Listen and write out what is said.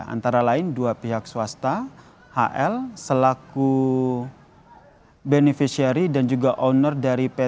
antara lain dua pihak swasta hl selaku beneficiary dan juga owner dari pt